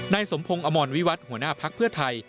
สมพงศ์อมรวิวัตรหัวหน้าพักเพื่อไทย